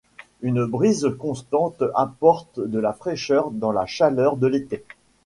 Une brise constante apporte de la fraîcheur dans la chaleur de l'été.